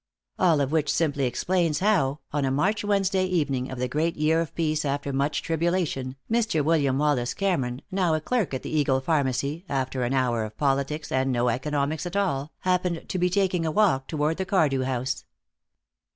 All of which simply explains how, on a March Wednesday evening of the great year of peace after much tribulation, Mr. William Wallace Cameron, now a clerk at the Eagle Pharmacy, after an hour of Politics, and no Economics at all, happened to be taking a walk toward the Cardew house.